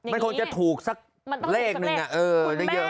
มันคงจะถูกสักเลขหนึ่ง